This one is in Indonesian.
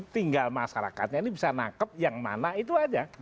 tinggal masyarakatnya ini bisa nangkep yang mana itu aja